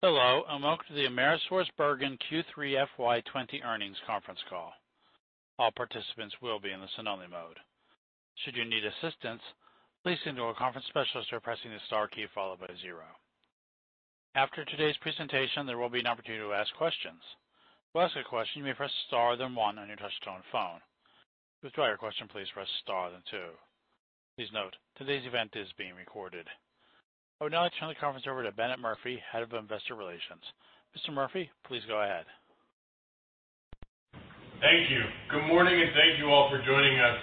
Hello, and welcome to the AmerisourceBergen Q3 FY 2020 Earnings Conference Call. All participants will be in listen-only mode. Should you need assistance, please signal a conference specialist by pressing the star key followed by a zero. After today's presentation, there will be an opportunity to ask questions. To ask a question, you may press star, then one on your touch-tone phone. To withdraw your question, please press star, then two. Please note, today's event is being recorded. I would now like to turn the conference over to Bennett Murphy, Head of Investor Relations. Mr. Murphy, please go ahead. Thank you. Good morning, and thank you all for joining us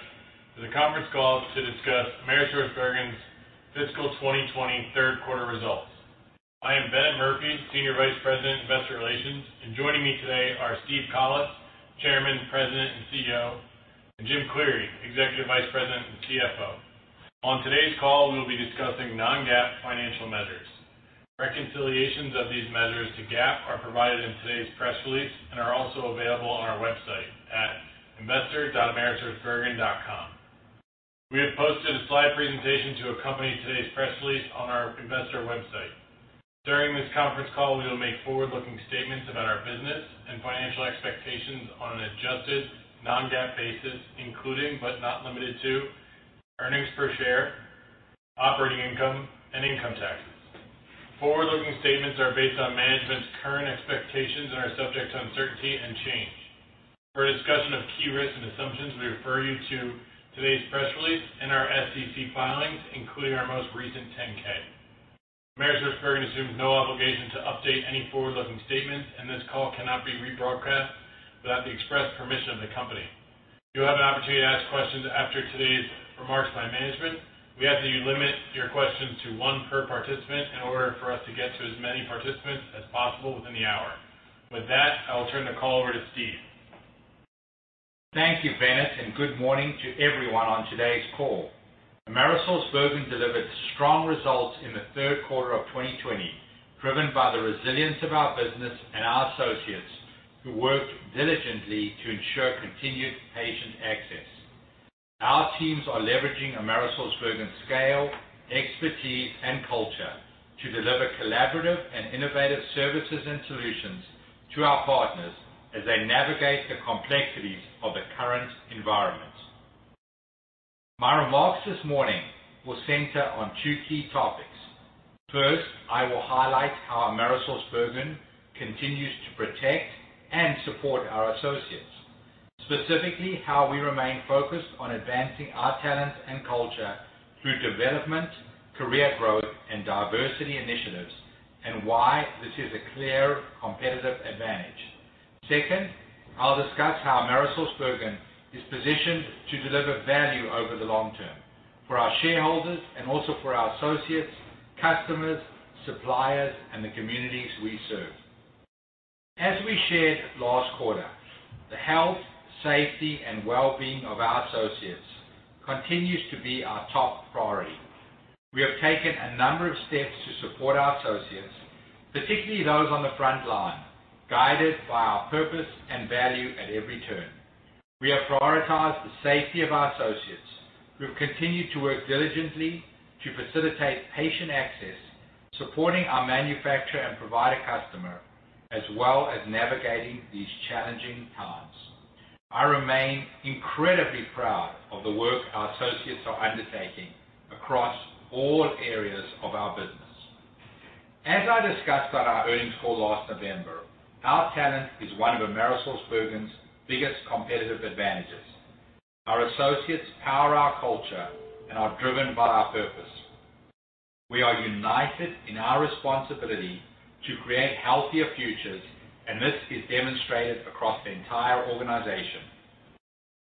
for the conference call to discuss AmerisourceBergen's fiscal 2020 third quarter results. I am Bennett Murphy, Senior Vice President, Investor Relations, and joining me today are Steve Collis, Chairman, President, and CEO, and Jim Cleary, Executive Vice President and CFO. On today's call, we will be discussing non-GAAP financial measures. Reconciliations of these measures to GAAP are provided in today's press release and are also available on our website at investor.amerisourcebergen.com. We have posted a slide presentation to accompany today's press release on our investor website. During this conference call, we will make forward-looking statements about our business and financial expectations on an adjusted, non-GAAP basis, including but not limited to earnings per share, operating income, and income taxes. Forward-looking statements are based on management's current expectations and are subject to uncertainty and change. For a discussion of key risks and assumptions, we refer you to today's press release and our SEC filings, including our most recent 10-K. AmerisourceBergen assumes no obligation to update any forward-looking statements, and this call cannot be rebroadcast without the express permission of the company. You'll have an opportunity to ask questions after today's remarks by management. We ask that you limit your questions to one per participant in order for us to get to as many participants as possible within the hour. With that, I will turn the call over to Steve. Thank you, Bennett, and good morning to everyone on today's call. AmerisourceBergen delivered strong results in the third quarter of 2020, driven by the resilience of our business and our associates who work diligently to ensure continued patient access. Our teams are leveraging AmerisourceBergen's scale, expertise, and culture to deliver collaborative and innovative services and solutions to our partners as they navigate the complexities of the current environment. My remarks this morning will center on two key topics. First, I will highlight how AmerisourceBergen continues to protect and support our associates. Specifically, how we remain focused on advancing our talent and culture through development, career growth, and diversity initiatives, and why this is a clear competitive advantage. Second, I'll discuss how AmerisourceBergen is positioned to deliver value over the long term for our shareholders and also for our associates, customers, suppliers, and the communities we serve. As we shared last quarter, the health, safety, and well-being of our associates continues to be our top priority. We have taken a number of steps to support our associates, particularly those on the front line, guided by our purpose and value at every turn. We have prioritized the safety of our associates who have continued to work diligently to facilitate patient access, supporting our manufacturer and provider customer, as well as navigating these challenging times. I remain incredibly proud of the work our associates are undertaking across all areas of our business. As I discussed on our earnings call last November, our talent is one of AmerisourceBergen's biggest competitive advantages. Our associates power our culture and are driven by our purpose. This is demonstrated across the entire organization.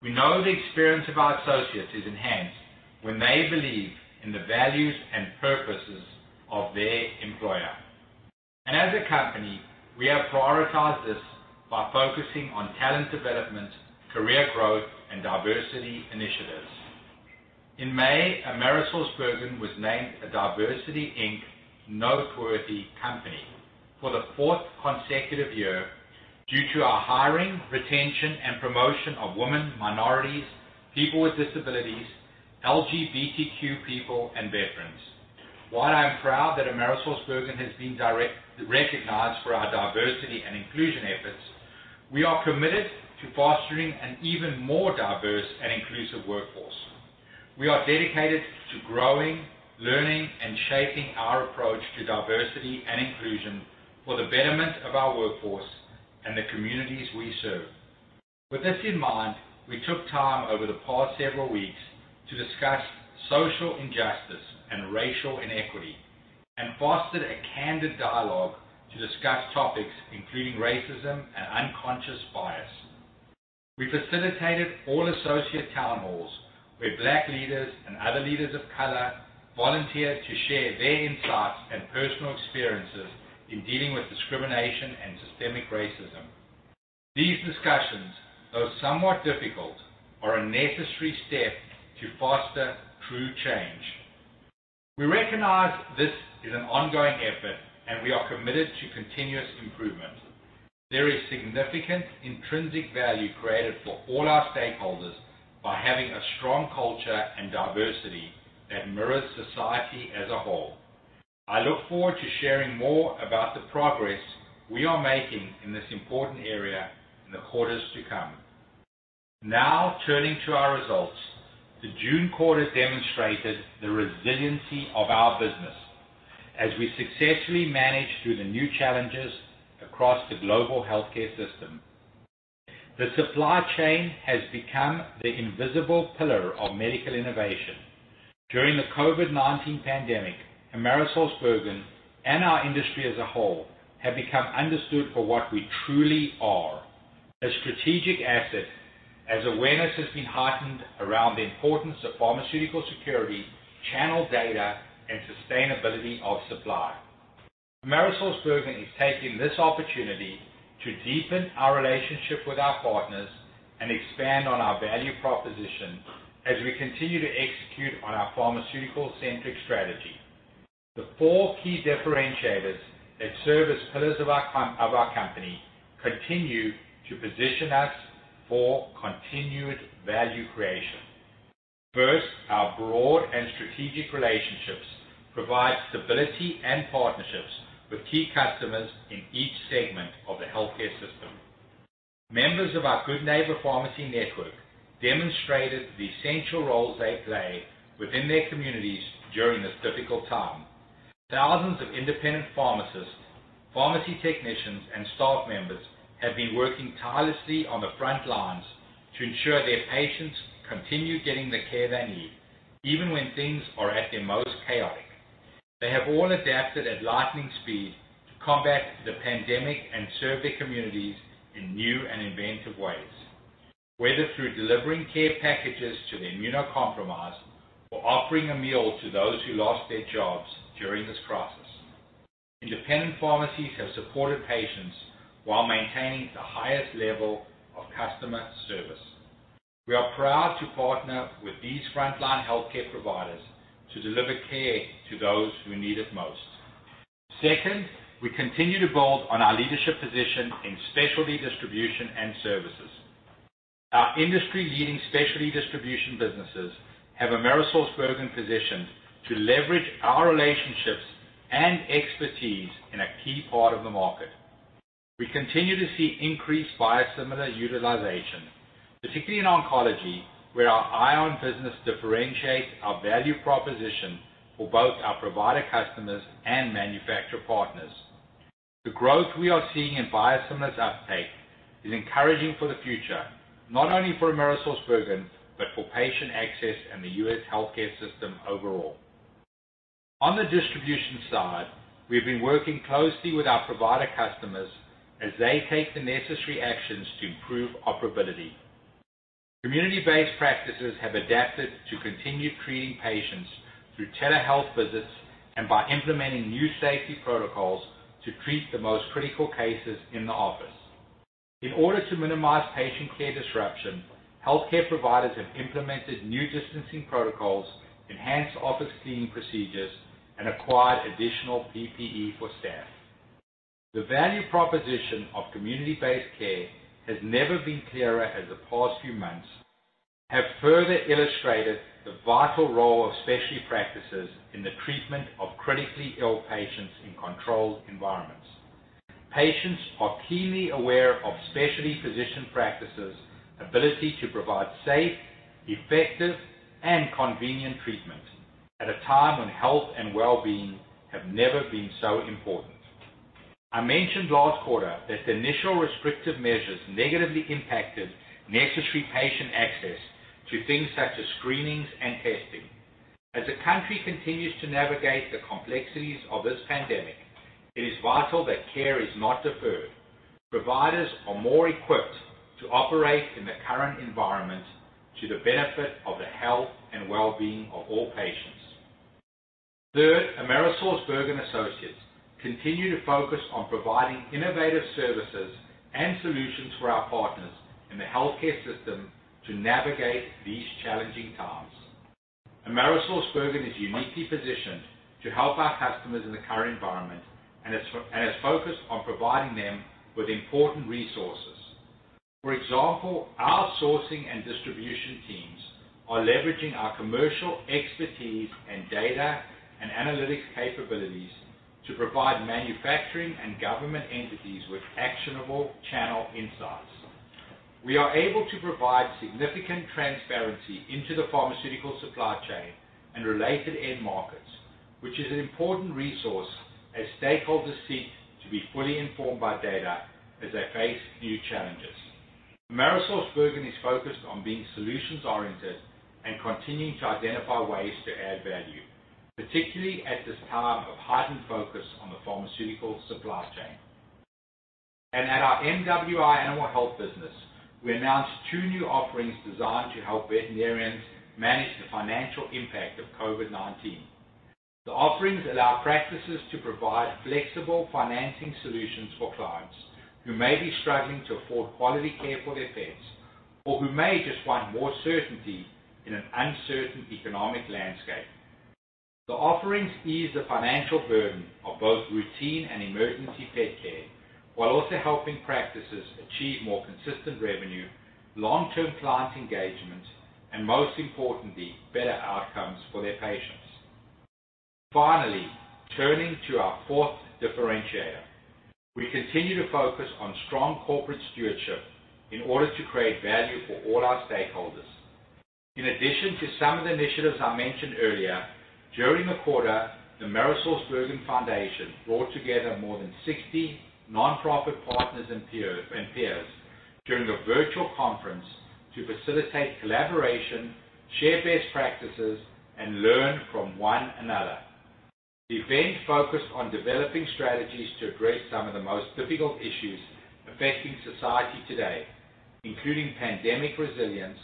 We know the experience of our associates is enhanced when they believe in the values and purposes of their employer. As a company, we have prioritized this by focusing on talent development, career growth, and diversity initiatives. In May, AmerisourceBergen was named a DiversityInc noteworthy company for the fourth consecutive year due to our hiring, retention, and promotion of women, minorities, people with disabilities, LGBTQ people, and veterans. While I am proud that AmerisourceBergen has been recognized for our diversity and inclusion efforts, we are committed to fostering an even more diverse and inclusive workforce. We are dedicated to growing, learning, and shaping our approach to diversity and inclusion for the betterment of our workforce and the communities we serve. With this in mind, we took time over the past several weeks to discuss social injustice and racial inequity and fostered a candid dialogue to discuss topics including racism and unconscious bias. We facilitated all associate town halls where Black leaders and other leaders of color volunteered to share their insights and personal experiences in dealing with discrimination and systemic racism. These discussions, though somewhat difficult, are a necessary step to foster true change. We recognize this is an ongoing effort, and we are committed to continuous improvement. There is significant intrinsic value created for all our stakeholders by having a strong culture and diversity that mirrors society as a whole. I look forward to sharing more about the progress we are making in this important area in the quarters to come. Turning to our results. The June quarter demonstrated the resiliency of our business as we successfully managed through the new challenges across the global healthcare system. The supply chain has become the invisible pillar of medical innovation. During the COVID-19 pandemic, AmerisourceBergen and our industry as a whole have become understood for what we truly are, a strategic asset, as awareness has been heightened around the importance of pharmaceutical security, channel data, and sustainability of supply. AmerisourceBergen is taking this opportunity to deepen our relationship with our partners and expand on our value proposition as we continue to execute on our pharmaceutical-centric strategy. The four key differentiators that serve as pillars of our company continue to position us for continued value creation. First, our broad and strategic relationships provide stability and partnerships with key customers in each segment of the healthcare system. Members of our Good Neighbor Pharmacy network demonstrated the essential roles they play within their communities during this difficult time. Thousands of independent pharmacists, pharmacy technicians, and staff members have been working tirelessly on the front lines to ensure their patients continue getting the care they need, even when things are at their most chaotic. They have all adapted at lightning speed to combat the pandemic and serve their communities in new and inventive ways. Whether through delivering care packages to the immunocompromised or offering a meal to those who lost their jobs during this crisis, independent pharmacies have supported patients while maintaining the highest level of customer service. We are proud to partner with these frontline healthcare providers to deliver care to those who need it most. Second, we continue to build on our leadership position in specialty distribution and services. Our industry-leading specialty distribution businesses have AmerisourceBergen positioned to leverage our relationships and expertise in a key part of the market. We continue to see increased biosimilar utilization, particularly in oncology, where our ION business differentiates our value proposition for both our provider customers and manufacturer partners. The growth we are seeing in biosimilars uptake is encouraging for the future, not only for AmerisourceBergen, but for patient access and the U.S. healthcare system overall. On the distribution side, we've been working closely with our provider customers as they take the necessary actions to improve operability. Community-based practices have adapted to continue treating patients through telehealth visits and by implementing new safety protocols to treat the most critical cases in the office. In order to minimize patient care disruption, healthcare providers have implemented new distancing protocols, enhanced office cleaning procedures, and acquired additional PPE for staff. The value proposition of community-based care has never been clearer as the past few months have further illustrated the vital role of specialty practices in the treatment of critically ill patients in controlled environments. Patients are keenly aware of specialty physician practices' ability to provide safe, effective, and convenient treatment at a time when health and wellbeing have never been so important. I mentioned last quarter that the initial restrictive measures negatively impacted necessary patient access to things such as screenings and testing. As the country continues to navigate the complexities of this pandemic, it is vital that care is not deferred. Providers are more equipped to operate in the current environment to the benefit of the health and wellbeing of all patients. Third, AmerisourceBergen associates continue to focus on providing innovative services and solutions for our partners in the healthcare system to navigate these challenging times. AmerisourceBergen is uniquely positioned to help our customers in the current environment and is focused on providing them with important resources. For example, our sourcing and distribution teams are leveraging our commercial expertise in data and analytics capabilities to provide manufacturing and government entities with actionable channel insights. We are able to provide significant transparency into the pharmaceutical supply chain and related end markets, which is an important resource as stakeholders seek to be fully informed by data as they face new challenges. AmerisourceBergen is focused on being solutions oriented and continuing to identify ways to add value, particularly at this time of heightened focus on the pharmaceutical supply chain. At our MWI Animal Health business, we announced two new offerings designed to help veterinarians manage the financial impact of COVID-19. The offerings allow practices to provide flexible financing solutions for clients who may be struggling to afford quality care for their pets or who may just want more certainty in an uncertain economic landscape. The offerings ease the financial burden of both routine and emergency pet care, while also helping practices achieve more consistent revenue, long-term client engagement, and most importantly, better outcomes for their patients. Turning to our fourth differentiator. We continue to focus on strong corporate stewardship in order to create value for all our stakeholders. In addition to some of the initiatives I mentioned earlier, during the quarter, the AmerisourceBergen Foundation brought together more than 60 non-profit partners and peers during a virtual conference to facilitate collaboration, share best practices, and learn from one another. The event focused on developing strategies to address some of the most difficult issues affecting society today, including pandemic resilience,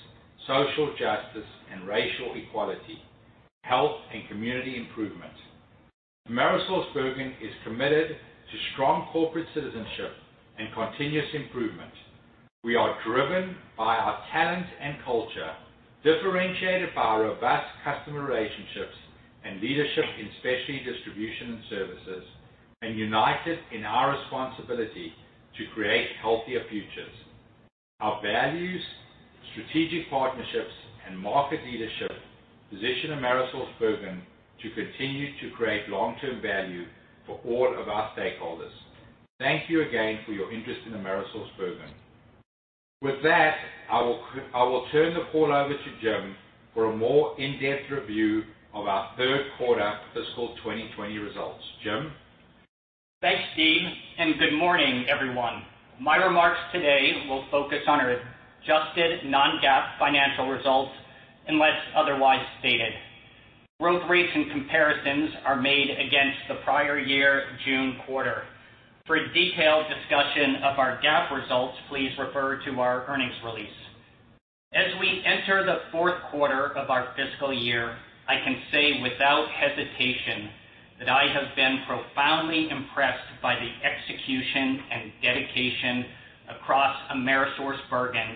social justice and racial equality, health, and community improvement. AmerisourceBergen is committed to strong corporate citizenship and continuous improvement. We are driven by our talent and culture, differentiated by our vast customer relationships and leadership in specialty distribution and services, and united in our responsibility to create healthier futures. Our values, strategic partnerships, and market leadership position AmerisourceBergen to continue to create long-term value for all of our stakeholders. Thank you again for your interest in AmerisourceBergen. With that, I will turn the call over to Jim for a more in-depth review of our third quarter fiscal 2020 results. Jim? Thanks, Steve. Good morning, everyone. My remarks today will focus on our adjusted non-GAAP financial results, unless otherwise stated. Growth rates and comparisons are made against the prior year June quarter. For a detailed discussion of our GAAP results, please refer to our earnings release. As we enter the fourth quarter of our fiscal year, I can say without hesitation that I have been profoundly impressed by the execution and dedication across AmerisourceBergen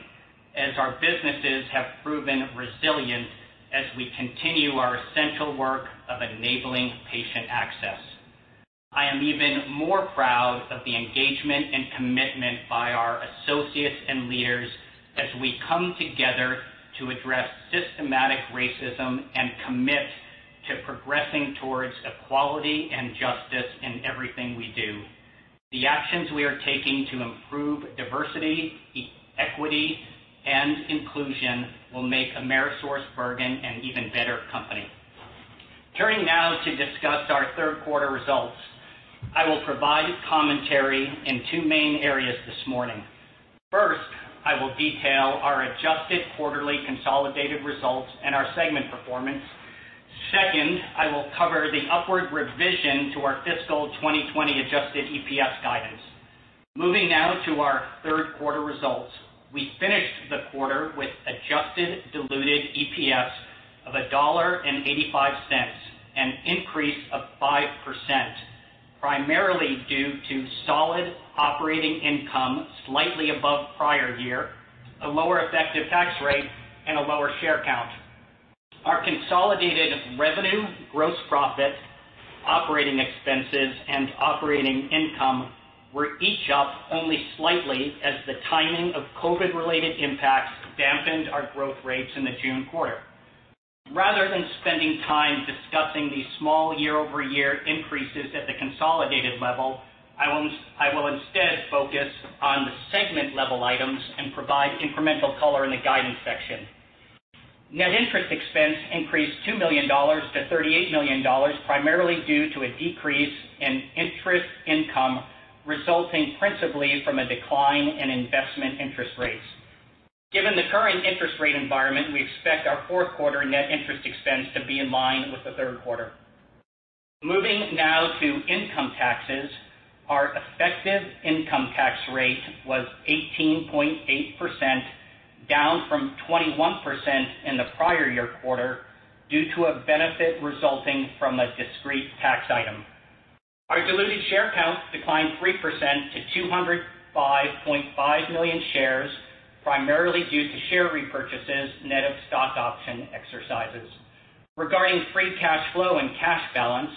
as our businesses have proven resilient as we continue our essential work of enabling patient access. I am even more proud of the engagement and commitment by our associates and leaders as we come together to address systematic racism and commit to progressing towards equality and justice in everything we do. The actions we are taking to improve diversity, equity, and inclusion will make AmerisourceBergen an even better company. Turning now to discuss our third quarter results. I will provide commentary in two main areas this morning. First, I will detail our adjusted quarterly consolidated results and our segment performance. Second, I will cover the upward revision to our fiscal 2020 adjusted EPS guidance. Moving now to our third quarter results. We finished the quarter with adjusted diluted EPS of $1.85, an increase of 5%, primarily due to solid operating income slightly above prior year, a lower effective tax rate, and a lower share count. Our consolidated revenue, gross profit, operating expenses, and operating income were each up only slightly as the timing of COVID-related impacts dampened our growth rates in the June quarter. Rather than spending time discussing the small year-over-year increases at the consolidated level, I will instead focus on the segment-level items and provide incremental color in the guidance section. Net interest expense increased $2 million-$38 million, primarily due to a decrease in interest income resulting principally from a decline in investment interest rates. Given the current interest rate environment, we expect our fourth quarter net interest expense to be in line with the third quarter. Moving now to income taxes. Our effective income tax rate was 18.8%, down from 21% in the prior year quarter due to a benefit resulting from a discrete tax item. Our diluted share count declined 3% to 205.5 million shares, primarily due to share repurchases net of stock option exercises. Regarding free cash flow and cash balance,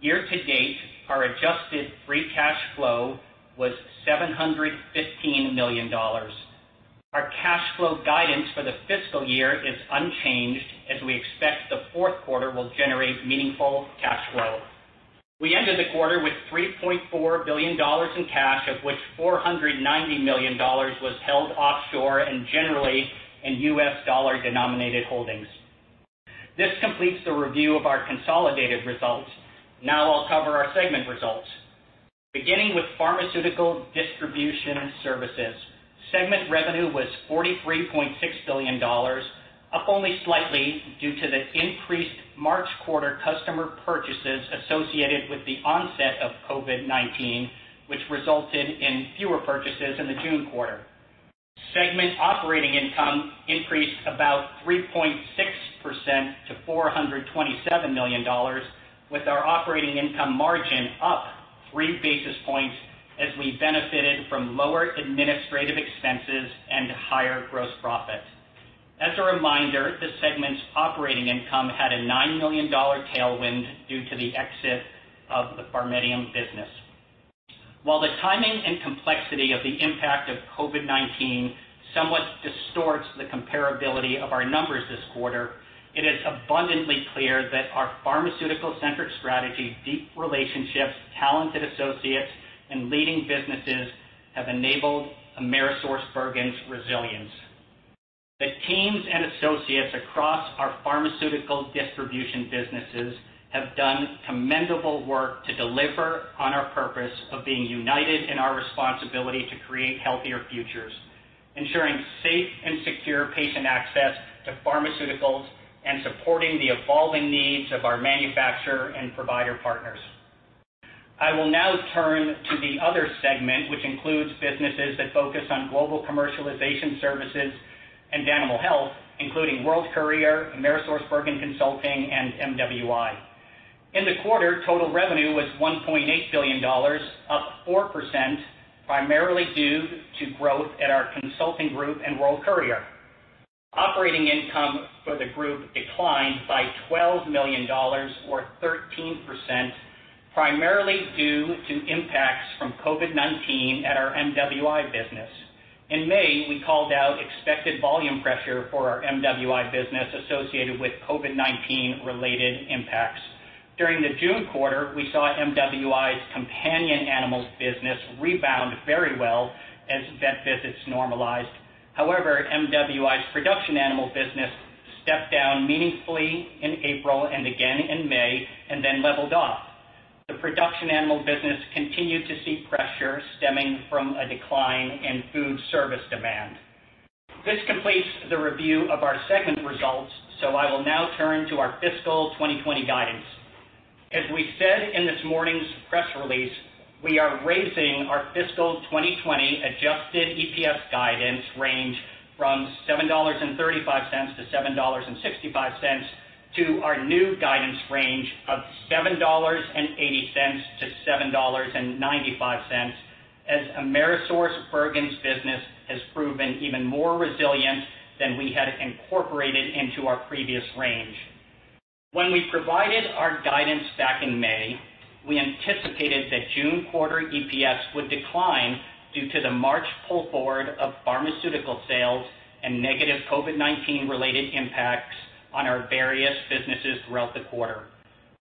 year to date, our adjusted free cash flow was $715 million. Our cash flow guidance for the fiscal year is unchanged, as we expect the fourth quarter will generate meaningful cash flow. We ended the quarter with $3.4 billion in cash, of which $490 million was held offshore and generally in U.S. dollar-denominated holdings. This completes the review of our consolidated results. Now I'll cover our segment results. Beginning with Pharmaceutical Distribution Services. Segment revenue was $43.6 billion, up only slightly due to the increased March quarter customer purchases associated with the onset of COVID-19, which resulted in fewer purchases in the June quarter. Segment operating income increased about 3.6% to $427 million, with our operating income margin up three basis points as we benefited from lower administrative expenses and higher gross profit. As a reminder, the segment's operating income had a $9 million tailwind due to the exit of the PharMEDium business. While the timing and complexity of the impact of COVID-19 somewhat distorts the comparability of our numbers this quarter, it is abundantly clear that our pharmaceutical-centric strategy, deep relationships, talented associates, and leading businesses have enabled AmerisourceBergen's resilience. The teams and associates across our pharmaceutical distribution businesses have done commendable work to deliver on our purpose of being united in our responsibility to create healthier futures, ensuring safe and secure patient access to pharmaceuticals and supporting the evolving needs of our manufacturer and provider partners. I will now turn to the Other segment, which includes businesses that focus on global commercialization services and animal health, including World Courier, AmerisourceBergen Consulting Services, and MWI. In the quarter, total revenue was $1.8 billion, up 4%, primarily due to growth at our consulting group and World Courier. Operating income for the group declined by $12 million, or 13%, primarily due to impacts from COVID-19 at our MWI business. In May, we called out expected volume pressure for our MWI business associated with COVID-19 related impacts. During the June quarter, we saw MWI's companion animals business rebound very well as vet visits normalized. MWI's production animal business stepped down meaningfully in April and again in May, and then leveled off. The production animal business continued to see pressure stemming from a decline in food service demand. This completes the review of our segment results, I will now turn to our fiscal 2020 guidance. As we said in this morning's press release, we are raising our fiscal 2020 adjusted EPS guidance range from $7.35-$7.65 to our new guidance range of $7.80-$7.95, as AmerisourceBergen's business has proven even more resilient than we had incorporated into our previous range. When we provided our guidance back in May, we anticipated that June quarter EPS would decline due to the March pull forward of pharmaceutical sales and negative COVID-19 related impacts on our various businesses throughout the quarter.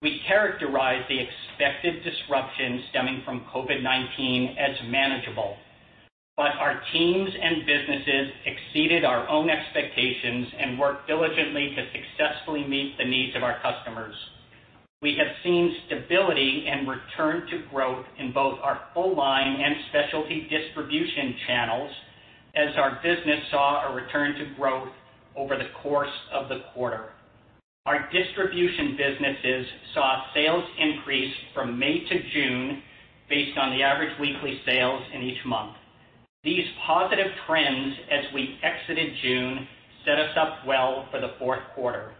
We characterized the expected disruption stemming from COVID-19 as manageable, but our teams and businesses exceeded our own expectations and worked diligently to successfully meet the needs of our customers. We have seen stability and return to growth in both our full line and specialty distribution channels as our business saw a return to growth over the course of the quarter. Our distribution businesses saw sales increase from May to June based on the average weekly sales in each month. These positive trends as we exited June set us up well for the fourth quarter.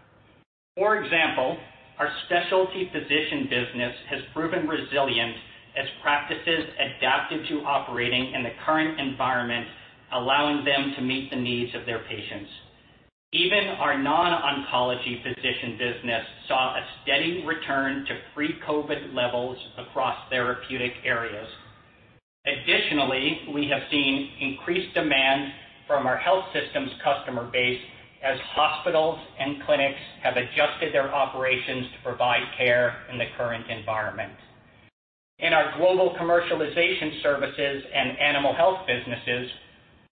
For example, our specialty physician business has proven resilient as practices adapted to operating in the current environment, allowing them to meet the needs of their patients. Even our non-oncology physician business saw a steady return to pre-COVID levels across therapeutic areas. Additionally, we have seen increased demand from our health systems customer base as hospitals and clinics have adjusted their operations to provide care in the current environment. In our global commercialization services and animal health businesses,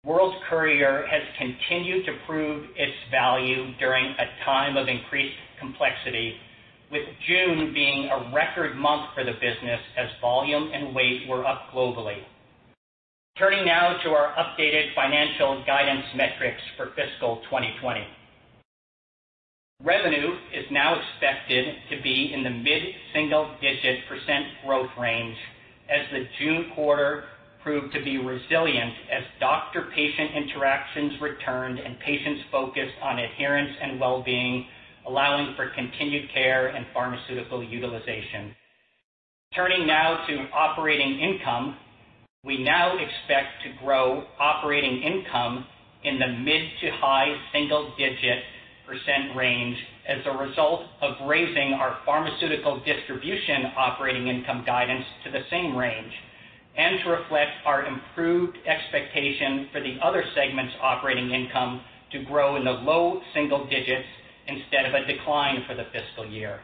World Courier has continued to prove its value during a time of increased complexity, with June being a record month for the business as volume and weight were up globally. Turning now to our updated financial guidance metrics for fiscal 2020. Revenue is now expected to be in the mid-single-digit percent growth range as the June quarter proved to be resilient as doctor-patient interactions returned and patients focused on adherence and well-being, allowing for continued care and pharmaceutical utilization. Turning now to operating income. We now expect to grow operating income in the mid to high single-digit percent range as a result of raising our Pharmaceutical Distribution operating income guidance to the same range and to reflect our improved expectation for the Other segment's operating income to grow in the low single digits instead of a decline for the fiscal year.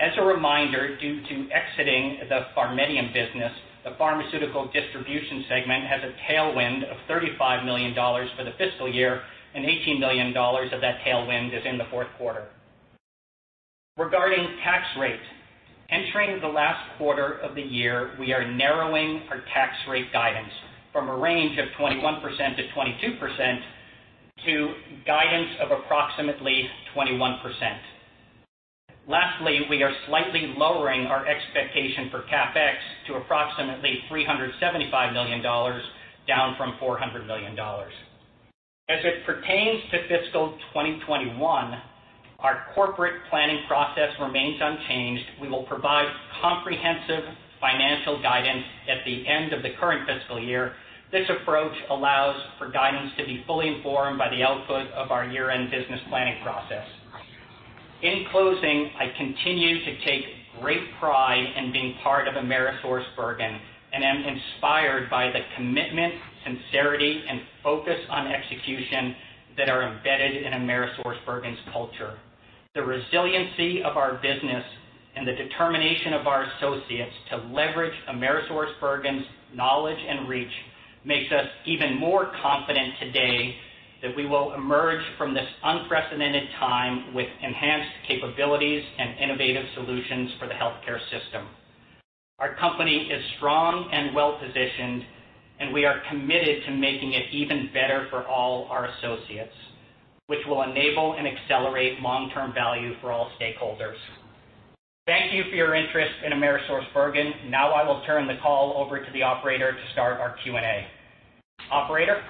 As a reminder, due to exiting the PharMEDium business, the Pharmaceutical Distribution segment has a tailwind of $35 million for the fiscal year, and $18 million of that tailwind is in the fourth quarter. Regarding tax rate, entering the last quarter of the year, we are narrowing our tax rate guidance from a range of 21%-22% to guidance of approximately 21%. Lastly, we are slightly lowering our expectation for CapEx to approximately $375 million, down from $400 million. As it pertains to fiscal 2021. Our corporate planning process remains unchanged. We will provide comprehensive financial guidance at the end of the current fiscal year. This approach allows for guidance to be fully informed by the output of our year-end business planning process. In closing, I continue to take great pride in being part of AmerisourceBergen, and am inspired by the commitment, sincerity, and focus on execution that are embedded in AmerisourceBergen's culture. The resiliency of our business and the determination of our associates to leverage AmerisourceBergen's knowledge and reach makes us even more confident today that we will emerge from this unprecedented time with enhanced capabilities and innovative solutions for the healthcare system. Our company is strong and well-positioned, we are committed to making it even better for all our associates, which will enable and accelerate long-term value for all stakeholders. Thank you for your interest in AmerisourceBergen. Now I will turn the call over to the operator to start our Q&A. Operator?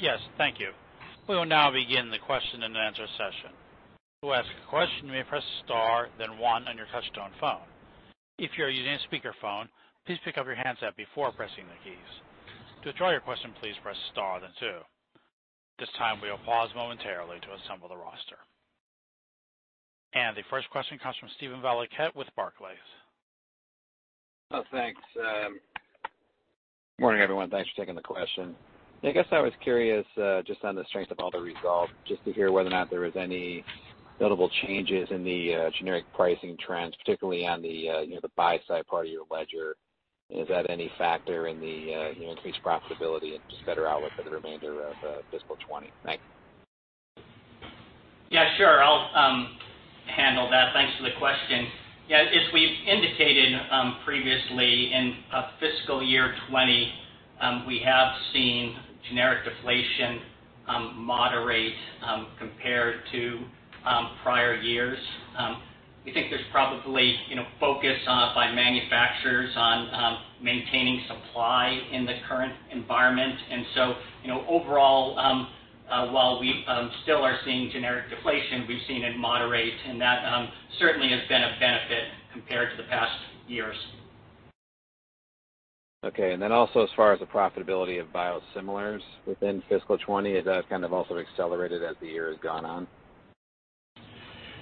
Yes, thank you. We will now begin the question and answer session. To ask a question, you may press star then one on your touch-tone phone. If you are using a speakerphone, please pick up your handset before pressing the keys. To withdraw your question, please press star then two. At this time, we will pause momentarily to assemble the roster. The first question comes from Steven Valiquette with Barclays. Oh, thanks. Morning, everyone. Thanks for taking the question. I guess I was curious, just on the strength of all the results, just to hear whether or not there was any notable changes in the generic pricing trends, particularly on the buy-side part of your ledger. Is that any factor in the increased profitability and just better outlook for the remainder of fiscal 2020? Thanks. Sure. I'll handle that. Thanks for the question. As we've indicated previously, in fiscal year 2020, we have seen generic deflation moderate compared to prior years. We think there's probably focus by manufacturers on maintaining supply in the current environment. Overall, while we still are seeing generic deflation, we've seen it moderate, and that certainly has been a benefit compared to the past years. Okay. Also as far as the profitability of biosimilars within fiscal 2020, has that also accelerated as the year has gone on?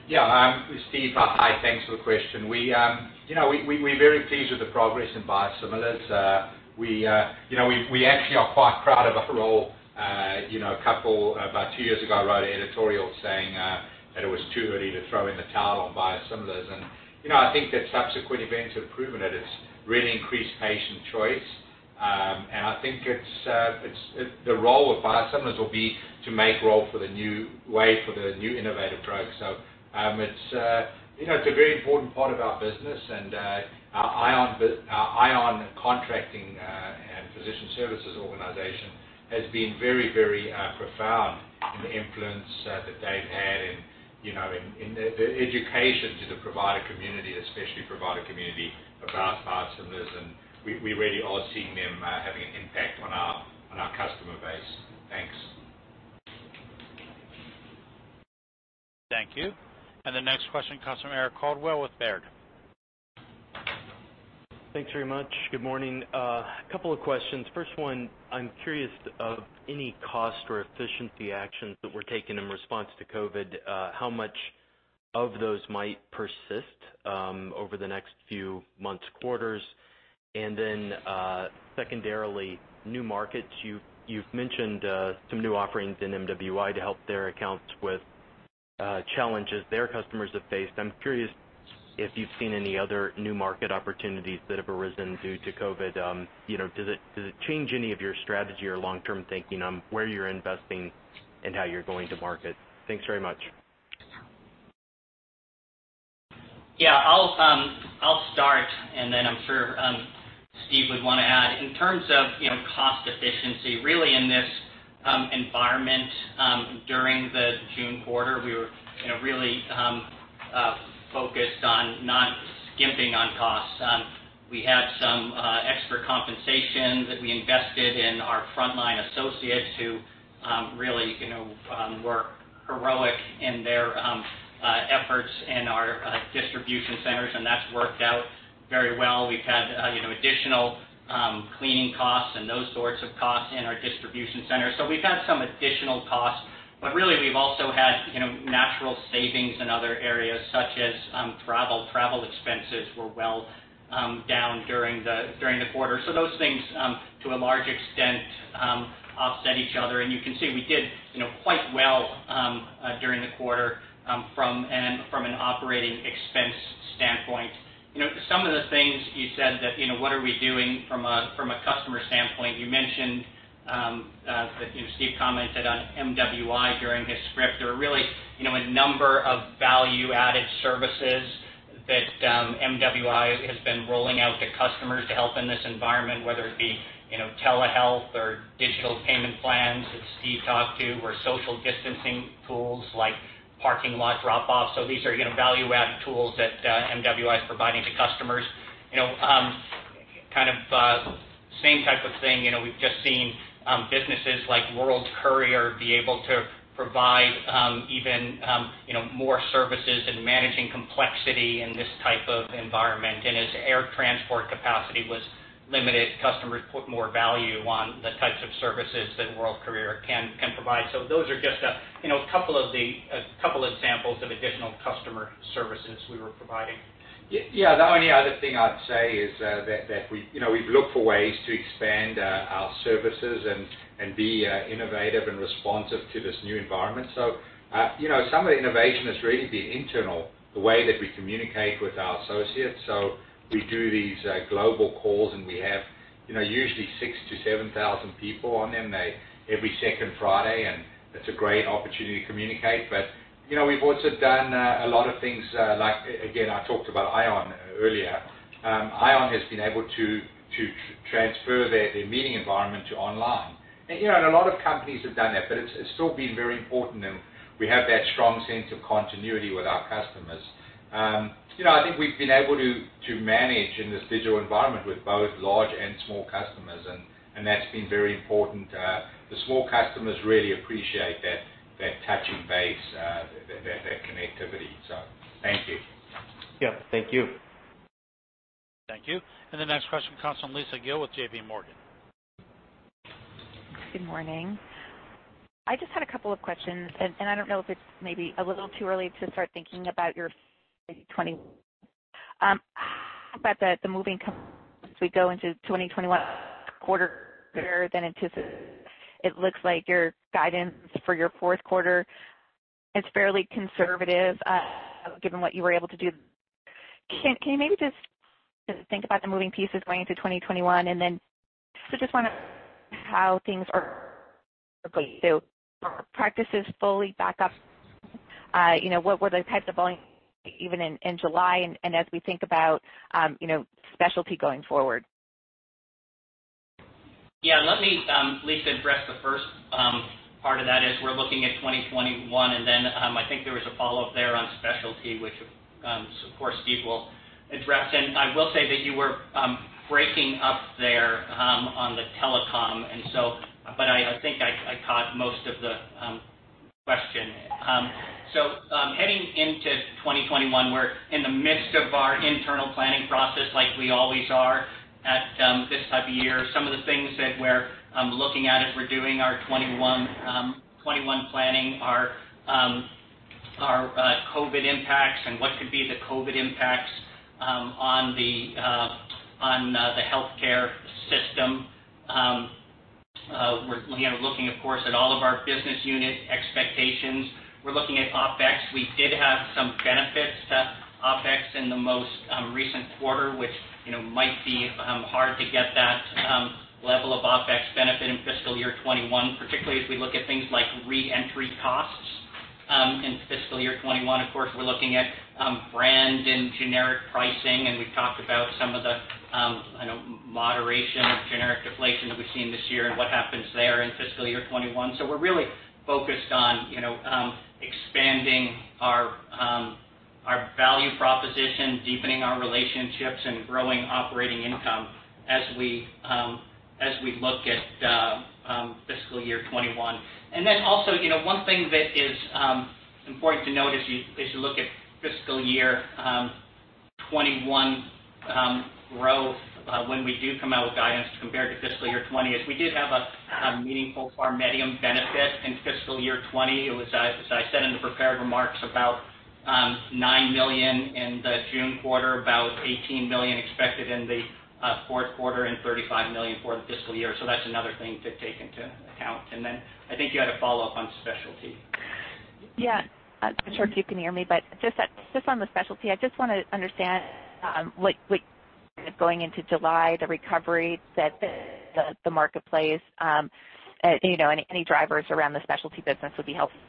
Yeah. Steve, hi. Thanks for the question. We're very pleased with the progress in biosimilars. We actually are quite proud of our role. About two years ago, I wrote an editorial saying that it was too early to throw in the towel on biosimilars, and I think that subsequent events have proven that it's really increased patient choice. I think the role of biosimilars will be to make way for the new innovative drugs. It's a very important part of our business. Our ION contracting and physician services organization has been very profound in the influence that they've had in the education to the provider community, especially provider community, about biosimilars, and we really are seeing them having an impact on our customer base. Thanks. Thank you. The next question comes from Eric Coldwell with Baird. Thanks very much. Good morning. A couple of questions. First one, I'm curious of any cost or efficiency actions that were taken in response to COVID, how much of those might persist over the next few months, quarters. Secondarily, new markets. You've mentioned some new offerings in MWI to help their accounts with challenges their customers have faced. I'm curious if you've seen any other new market opportunities that have arisen due to COVID. Does it change any of your strategy or long-term thinking on where you're investing and how you're going to market? Thanks very much. Yeah. I'll start, and then I'm sure Steve would want to add. In terms of cost efficiency, really in this environment, during the June quarter, we were really focused on not skimping on costs. We had some extra compensation that we invested in our frontline associates who really were heroic in their efforts in our distribution centers, and that's worked out very well. We've had additional cleaning costs and those sorts of costs in our distribution center. We've had some additional costs, but really we've also had natural savings in other areas such as travel. Travel expenses were well down during the quarter. Those things, to a large extent, offset each other, and you can see we did quite well during the quarter from an operating expense standpoint. Some of the things you said, what are we doing from a customer standpoint, Steve commented on MWI during his script. There are really a number of value-added services that MWI has been rolling out to customers to help in this environment, whether it be telehealth or digital payment plans that Steve talked to, or social distancing tools like parking lot drop-offs. These are value-added tools that MWI is providing to customers. Same type of thing, we've just seen businesses like World Courier be able to provide even more services in managing complexity in this type of environment. As air transport capacity was limited, customers put more value on the types of services that World Courier can provide. Those are just a couple of samples of additional customer services we were providing. Yeah. The only other thing I'd say is that we've looked for ways to expand our services and be innovative and responsive to this new environment. Some of the innovation has really been internal, the way that we communicate with our associates. We do these global calls, and we have usually 6,000-7,000 people on them every second Friday, and it's a great opportunity to communicate. We've also done a lot of things, like, again, I talked about ION earlier. ION has been able to transfer their meeting environment to online. A lot of companies have done that, but it's still been very important that we have that strong sense of continuity with our customers. I think we've been able to manage in this digital environment with both large and small customers, and that's been very important. The small customers really appreciate that touching base, that connectivity. Thank you. Yep. Thank you. Thank you. The next question comes from Lisa Gill with JPMorgan. Good morning. I just had a couple of questions, and I don't know if it's maybe a little too early to start thinking about your 2021. It looks like your guidance for your fourth quarter is fairly conservative, given what you were able to do. Can you maybe just think about the moving pieces going into 2021? Are practices fully back up? What were the types of volumes even in July and as we think about specialty going forward? Yeah. Let me, Lisa, address the first part of that as we're looking at 2021, and then I think there was a follow-up there on specialty, which, of course, Steve will address. I will say that you were breaking up there on the telecom, and so but I think I caught most of the question. Heading into 2021, we're in the midst of our internal planning process like we always are at this time of year. Some of the things that we're looking at as we're doing our 2021 planning are COVID-19 impacts and what could be the COVID-19 impacts on the healthcare system. We're looking, of course, at all of our business unit expectations. We're looking at OpEx. We did have some benefits to OpEx in the most recent quarter, which might be hard to get that level of OpEx benefit in fiscal year 2021, particularly as we look at things like re-entry costs in fiscal year 2021. Of course, we're looking at brand and generic pricing, and we've talked about some of the moderation of generic deflation that we've seen this year and what happens there in fiscal year 2021. We're really focused on expanding our value proposition, deepening our relationships, and growing operating income as we look at fiscal year 2021. One thing that is important to note as you look at fiscal year 2021 growth, when we do come out with guidance compared to fiscal year 2020, is we did have a meaningful PharMEDium benefit in fiscal year 2020. It was, as I said in the prepared remarks, about $9 million in the June quarter, about $18 million expected in the fourth quarter and $35 million for the fiscal year. That's another thing to take into account. Then I think you had a follow-up on specialty. Yeah. Not sure if you can hear me, but just on the specialty, I just want to understand what going into July, the recovery that the marketplace, any drivers around the specialty business would be helpful.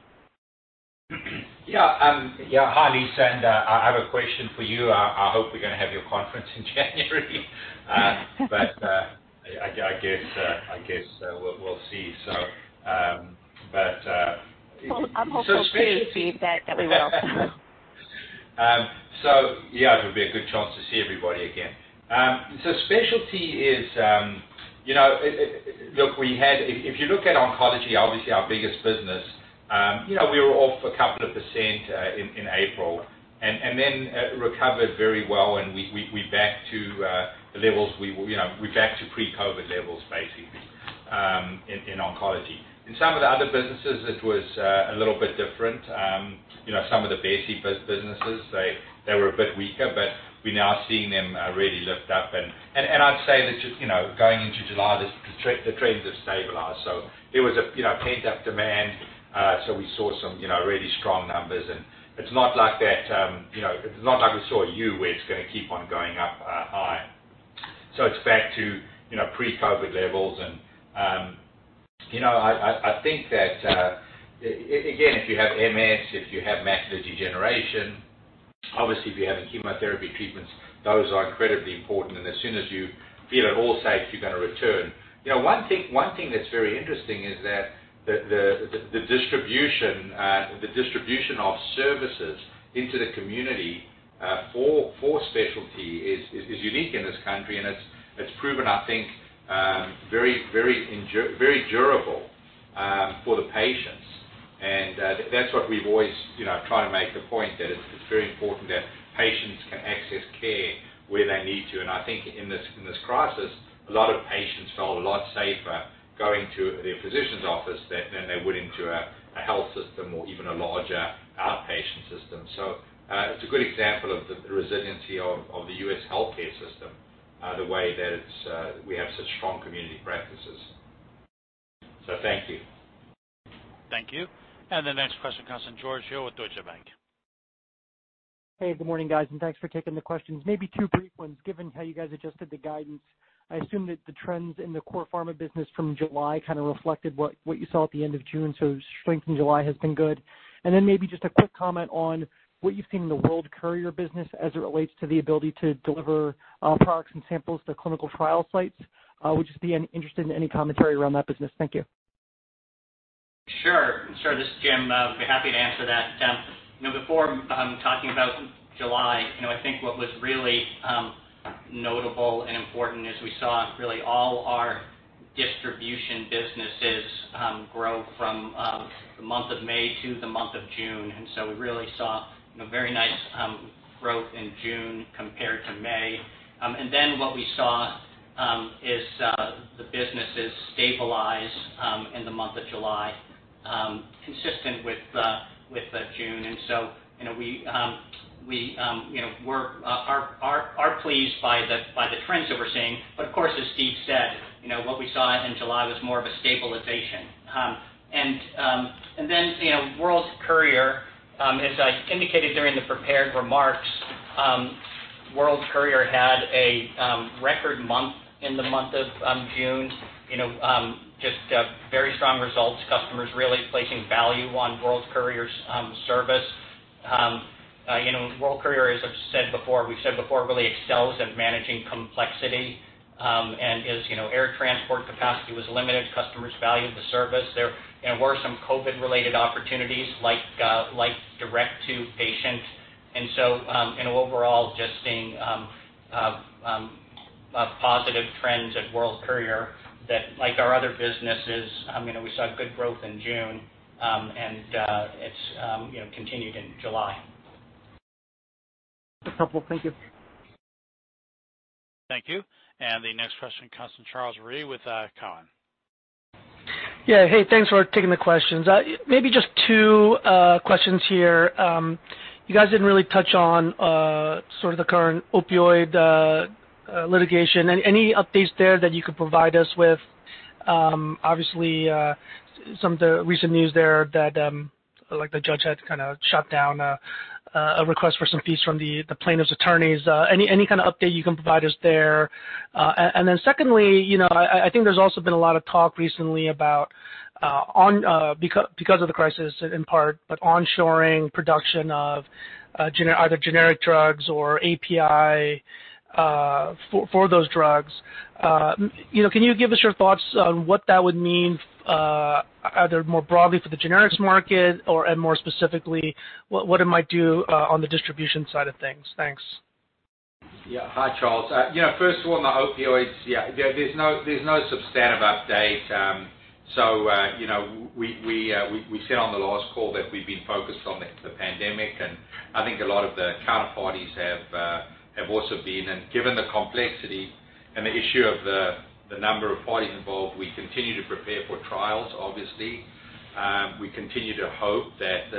Yeah. Hi, Lisa, I have a question for you. I hope we're going to have your conference in January. I guess we'll see. Well, I'm hopeful too, Steve, that we will. Yeah, it'll be a good chance to see everybody again. Specialty, if you look at oncology, obviously our biggest business, we were off a couple of percent in April, and then recovered very well and we're back to pre-COVID levels, basically, in oncology. In some of the other businesses, it was a little bit different. Some of the Besse-based businesses, they were a bit weaker, we're now seeing them really lift up. I'd say that going into July, the trends have stabilized. It was a pent-up demand, so we saw some really strong numbers, and it's not like we saw a U where it's going to keep on going up high. It's back to pre-COVID levels, and I think that, again, if you have MS, if you have macular degeneration, obviously if you're having chemotherapy treatments, those are incredibly important, and as soon as you feel at all safe, you're going to return. One thing that's very interesting is that the distribution of services into the community for specialty is unique in this country, and it's proven, I think, very durable for the patients. That's what we've always tried to make the point, that it's very important that patients can access care where they need to. I think in this crisis, a lot of patients felt a lot safer going to their physician's office than they would into a health system or even a larger outpatient system. It's a good example of the resiliency of the U.S. healthcare system, the way that we have such strong community practices. Thank you. Thank you. The next question comes from George Hill with Deutsche Bank. Hey, good morning, guys, and thanks for taking the questions. Maybe two brief ones. Given how you guys adjusted the guidance, I assume that the trends in the core pharma business from July kind of reflected what you saw at the end of June. Strength in July has been good. Maybe just a quick comment on what you've seen in the World Courier business as it relates to the ability to deliver products and samples to clinical trial sites. Would just be interested in any commentary around that business. Thank you. Sure. This is Jim. I'd be happy to answer that. Before talking about July, I think what was really notable and important is we saw really all our distribution businesses grow from the month of May to the month of June. We really saw very nice growth in June compared to May. What we saw is the businesses stabilize in the month of July, consistent with June. We are pleased by the trends that we're seeing. Of course, as Steve said, what we saw in July was more of a stabilization. World Courier, as I indicated during the prepared remarks, World Courier had a record month in the month of June. Just very strong results, customers really placing value on World Courier's service. World Courier, as I've said before, we've said before, really excels at managing complexity. As air transport capacity was limited, customers valued the service. There were some COVID-related opportunities like direct-to-patient, and so overall, just seeing positive trends at World Courier that, like our other businesses, we saw good growth in June, and it's continued in July. That's helpful. Thank you. Thank you. The next question comes from Charles Rhyee with Cowen. Thanks for taking the questions. Maybe just two questions here. You guys didn't really touch on sort of the current opioid litigation. Any updates there that you could provide us with? Obviously, some of the recent news there that the judge had kind of shut down a request for some fees from the plaintiff's attorneys. Any kind of update you can provide us there? Secondly, I think there's also been a lot of talk recently about, because of the crisis in part, but onshoring production of either generic drugs or API for those drugs. Can you give us your thoughts on what that would mean, either more broadly for the generics market or, and more specifically, what it might do on the distribution side of things? Thanks. Hi, Charles. First of all, on the opioids, there's no substantive update. We said on the last call that we've been focused on the pandemic, I think a lot of the counterparties have also been, given the complexity and the issue of the number of parties involved, we continue to prepare for trials, obviously. We continue to hope that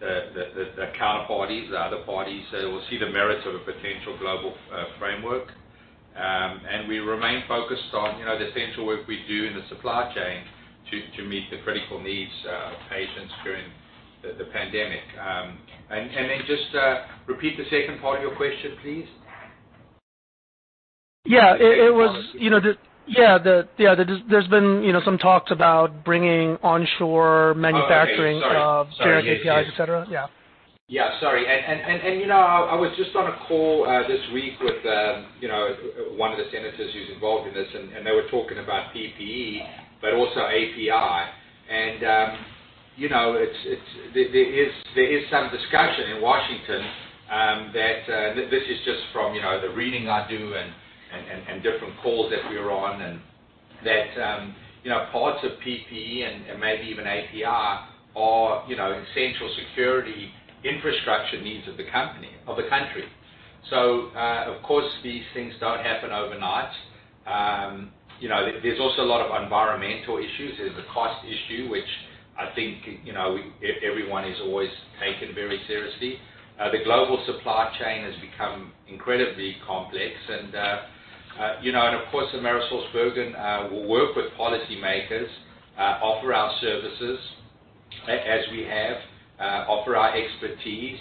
the counterparties, the other parties will see the merits of a potential global framework. We remain focused on the central work we do in the supply chain to meet the critical needs of patients during the pandemic. Just repeat the second part of your question, please. Yeah. There's been some talks about bringing onshore manufacturing- Oh, okay. Sorry. of generic APIs, et cetera. Yeah. Yeah, sorry. I was just on a call this week with one of the senators who's involved in this, and they were talking about PPE, but also API. There is some discussion in Washington that, this is just from the reading I do and different calls that we're on, and that parts of PPE and maybe even API are essential security infrastructure needs of the country. Of course, these things don't happen overnight. There's also a lot of environmental issues. There's a cost issue, which I think everyone has always taken very seriously. The global supply chain has become incredibly complex. Of course, AmerisourceBergen will work with policymakers, offer our services, as we have, offer our expertise,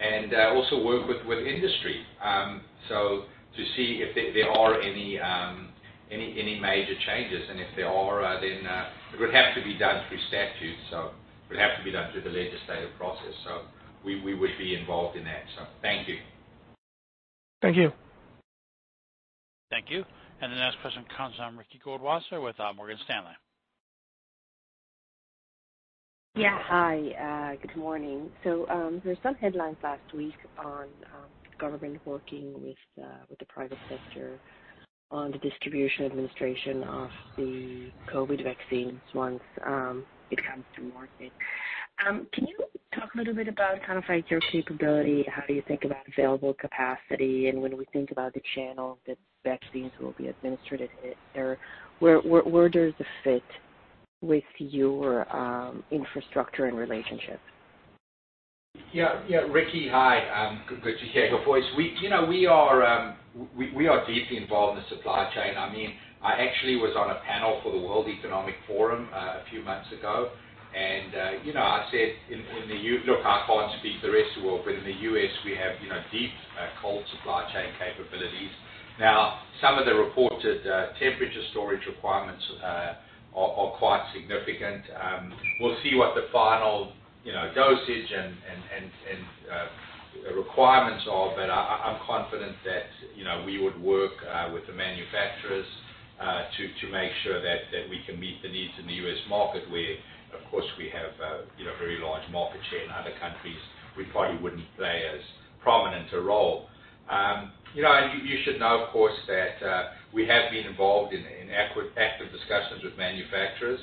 and also work with industry. To see if there are any major changes, and if there are, then it would have to be done through statute, so it would have to be done through the legislative process. We would be involved in that. Thank you. Thank you. Thank you. The next question comes from Ricky Goldwasser with Morgan Stanley. Yeah. Hi, good morning. There were some headlines last week on government working with the private sector on the distribution administration of the COVID vaccines once it comes to market. Can you talk a little bit about your capability? How do you think about available capacity? When we think about the channel that vaccines will be administered, where does it fit with your infrastructure and relationships? Yeah. Ricky, Hi. Good to hear your voice. We are deeply involved in the supply chain. I actually was on a panel for the World Economic Forum a few months ago, and I said, look, I can't speak for the rest of the world, but in the U.S. we have deep cold supply chain capabilities. Some of the reported temperature storage requirements are quite significant. We'll see what the final dosage and requirements are. I'm confident that we would work with the manufacturers to make sure that we can meet the needs in the U.S. market, where, of course, we have a very large market share. In other countries, we probably wouldn't play as prominent a role. You should know, of course, that we have been involved in active discussions with manufacturers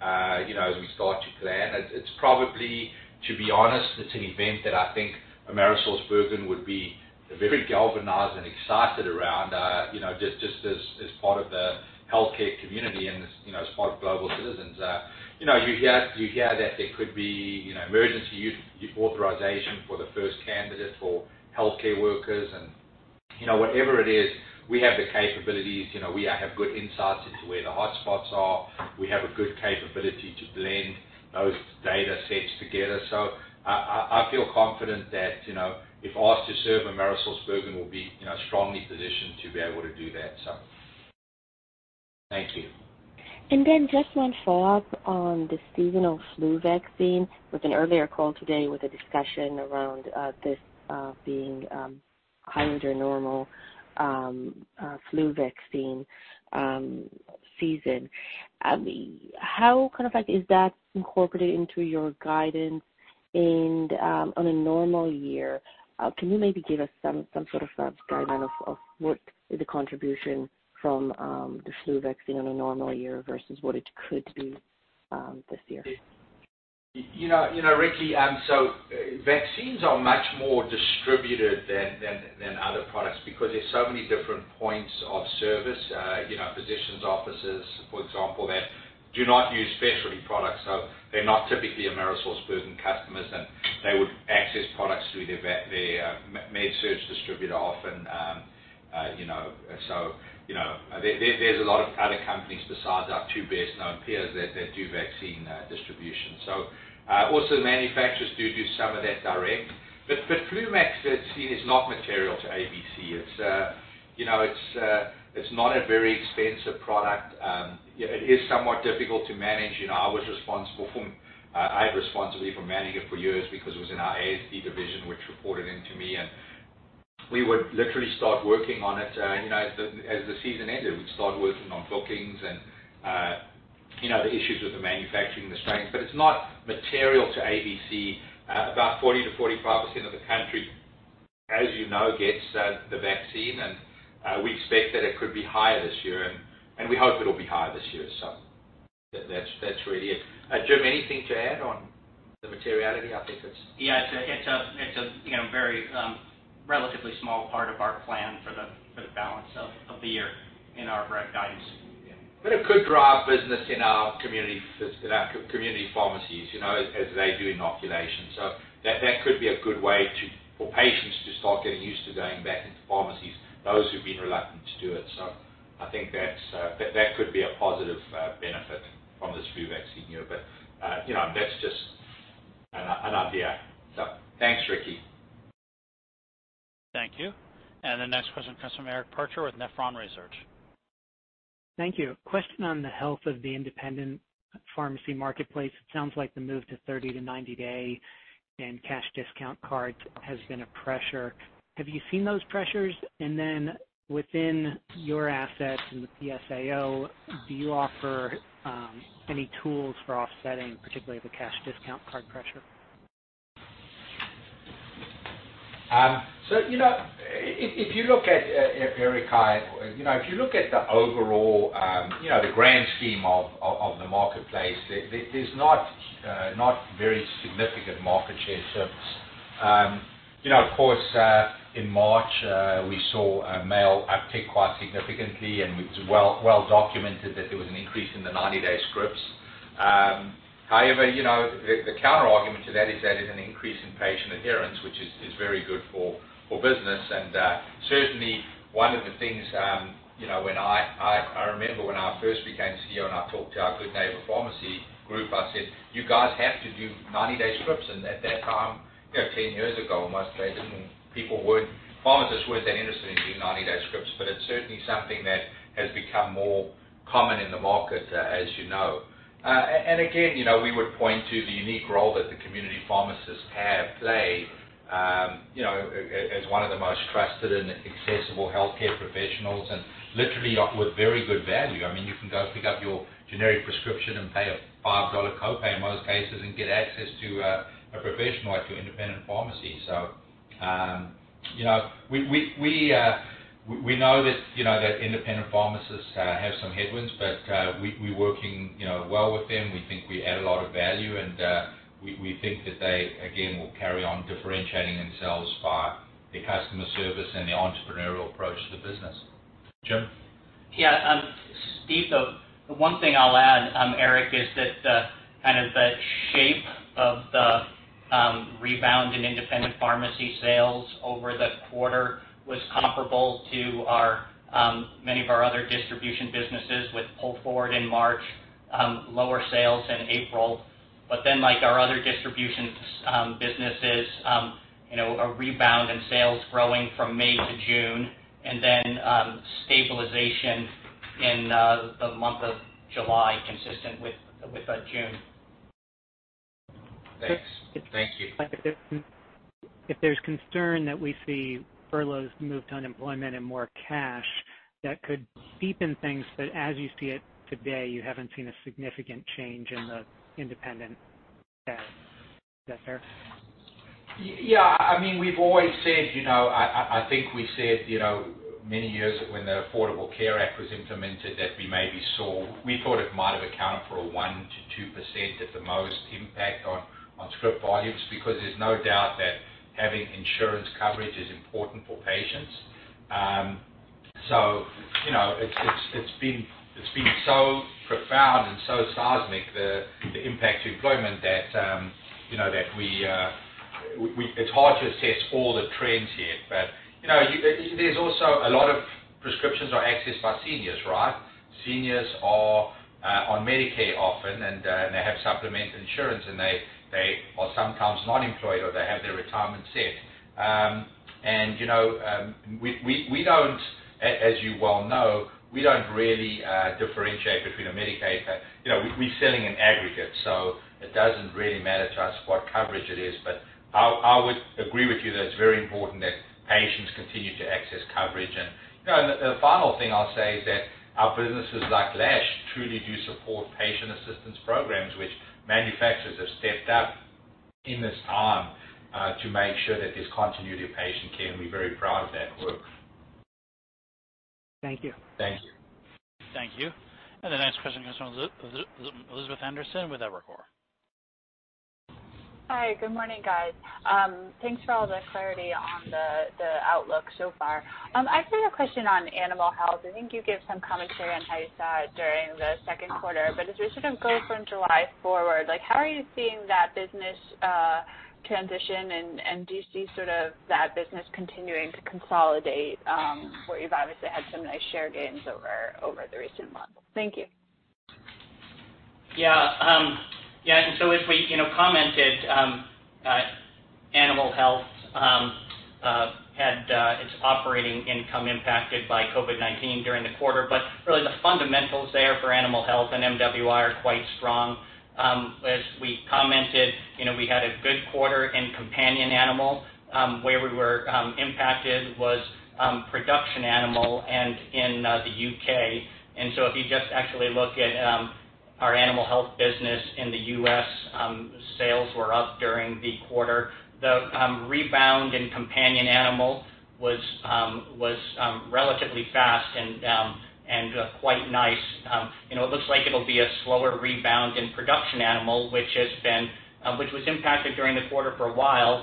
as we start to plan. It's probably, to be honest, it's an event that I think AmerisourceBergen would be very galvanized and excited around, just as part of the healthcare community and as part of global citizens. You hear that there could be emergency use authorization for the first candidate for healthcare workers and whatever it is, we have the capabilities. We have good insights into where the hotspots are. We have a good capability to blend those data sets together. I feel confident that if asked to serve, AmerisourceBergen will be strongly positioned to be able to do that. Thank you. Just one follow-up on the seasonal flu vaccine. With an earlier call today with a discussion around this being higher than normal flu vaccine season, how is that incorporated into your guidance? On a normal year, can you maybe give us some sort of guideline of what is the contribution from the flu vaccine on a normal year versus what it could be this year? Ricky, vaccines are much more distributed than other products because there are so many different points of service, physicians' offices, for example, that do not use specialty products. They're not typically AmerisourceBergen customers, and they would access products through their med surg distributor often. There's a lot of other companies besides our two best-known peers that do vaccine distribution. Also, manufacturers do some of that direct. Flu vaccine is not material to AmerisourceBergen. It's not a very expensive product. It is somewhat difficult to manage. I had responsibility for managing it for years because it was in our ASD division, which reported into me. We would literally start working on it as the season ended. We'd start working on bookings and the issues with the manufacturing and the strengths, it's not material to AmerisourceBergen. About 40%-45% of the country, as you know, gets the vaccine. We expect that it could be higher this year, and we hope it'll be higher this year. That's really it. Jim, anything to add on the materiality? I think it's- Yeah. It's a very, relatively small part of our plan for the balance of the year in our rev guidance. It could drive business in our community pharmacies as they do inoculation. That could be a good way for patients to start getting used to going back into pharmacies, those who've been reluctant to do it. I think that could be a positive benefit from this flu vaccine here. That's just an idea. Thanks, Ricky. Thank you. The next question comes from Eric Percher with Nephron Research. Thank you. Question on the health of the independent pharmacy marketplace. It sounds like the move to 30-90 day and cash discount cards has been a pressure. Have you seen those pressures? Within your assets and the PSAO, do you offer any tools for offsetting, particularly the cash discount card pressure? If you look at, Eric, hi. If you look at the overall, the grand scheme of the marketplace, there's not very significant market share service. Of course, in March, we saw mail uptick quite significantly, and it's well documented that there was an increase in the 90-day scripts. However, the counterargument to that is, that is an increase in patient adherence, which is very good for business. Certainly one of the things, I remember when I first became CEO and I talked to our Good Neighbor Pharmacy group, I said, "You guys have to do 90-day scripts." At that time, 10 years ago, I must say, pharmacists weren't that interested in doing 90-day scripts. It's certainly something that has become more common in the market, as you know. Again, we would point to the unique role that the community pharmacists have played as one of the most trusted and accessible healthcare professionals and literally with very good value. You can go pick up your generic prescription and pay a $5 copay in most cases and get access to a professional at your independent pharmacy. We know that independent pharmacists have some headwinds, but we're working well with them. We think we add a lot of value and we think that they, again, will carry on differentiating themselves by their customer service and their entrepreneurial approach to the business. Jim? Yeah. Steve, the one thing I'll add, Eric, is that the shape of the rebound in independent pharmacy sales over the quarter was comparable to many of our other distribution businesses with pull forward in March, lower sales in April. Like our other distribution businesses, a rebound in sales growing from May to June, and then stabilization in the month of July, consistent with June. Thanks. Thank you. If there's concern that we see furloughs, move to unemployment, and more cash, that could deepen things, but as you see it today, you haven't seen a significant change in the independent stats. Is that fair? Yeah. I think we said, many years when the Affordable Care Act was implemented, that we thought it might have accounted for a 1%-2% at the most impact on script volumes, because there's no doubt that having insurance coverage is important for patients. It's been so profound and so seismic, the impact to employment, that it's hard to assess all the trends here. There's also a lot of prescriptions are accessed by seniors, right? Seniors are on Medicare often, and they have supplement insurance, and they are sometimes not employed, or they have their retirement set. We don't, as you well know, we don't really differentiate between a Medicaid. We're selling in aggregate, it doesn't really matter to us what coverage it is. I would agree with you that it's very important that patients continue to access coverage. The final thing I'll say is that our businesses, like Lash, truly do support patient assistance programs, which manufacturers have stepped up in this time, to make sure that there's continuity of patient care, and we're very proud of that work. Thank you. Thank you. Thank you. The next question comes from Elizabeth Anderson with Evercore. Hi. Good morning, guys. Thanks for all the clarity on the outlook so far. I just had a question on animal health. I think you gave some commentary on how you saw it during the second quarter, but as we sort of go from July forward, how are you seeing that business transition? Do you see that business continuing to consolidate, where you've obviously had some nice share gains over the recent months? Thank you. Yeah. As we commented, Animal Health had its operating income impacted by COVID-19 during the quarter, but really the fundamentals there for Animal Health and MWI are quite strong. As we commented, we had a good quarter in companion animal. Where we were impacted was production animal and in the U.K. If you just actually look at our Animal Health business in the U.S., sales were up during the quarter. The rebound in companion animal was relatively fast and quite nice. It looks like it'll be a slower rebound in production animal, which was impacted during the quarter for a while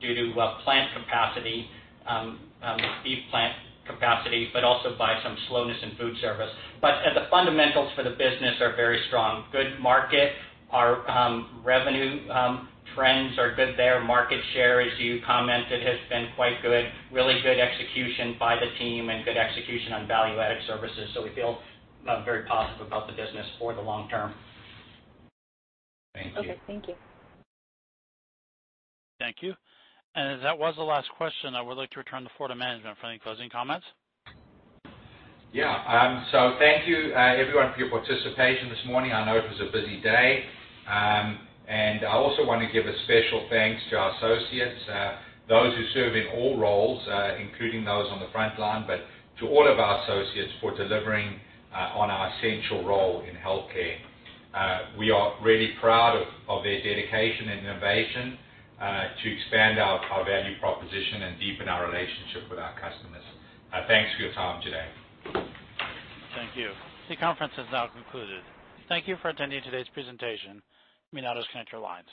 due to plant capacity, beef plant capacity, but also by some slowness in food service. The fundamentals for the business are very strong. Good market. Our revenue trends are good there. Market share, as you commented, has been quite good. Really good execution by the team and good execution on value-added services. We feel very positive about the business for the long term. Okay. Thank you. Thank you. As that was the last question, I would like to return the floor to management for any closing comments. Yeah. Thank you everyone for your participation this morning. I know it was a busy day. I also want to give a special thanks to our associates, those who serve in all roles, including those on the front line, but to all of our associates for delivering on our essential role in healthcare. We are really proud of their dedication and innovation to expand our value proposition and deepen our relationship with our customers. Thanks for your time today. Thank you. The conference has now concluded. Thank you for attending today's presentation. You may now disconnect your lines.